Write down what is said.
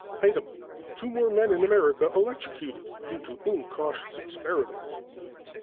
Item: two more men in America electrocuted due to incautious experiments.